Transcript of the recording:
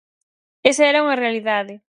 Esa era unha realidade.